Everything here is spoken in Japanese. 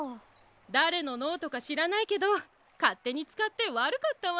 だれのノートかしらないけどかってにつかってわるかったわ。